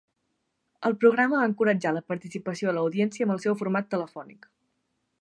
El programa va encoratjar la participació de l'audiència amb el seu format telefònic.